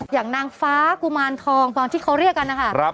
อย่างนางฟ้ากุมารทองตอนที่เขาเรียกกันนะคะ